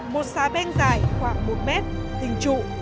một xá beng dài khoảng một m hình trụ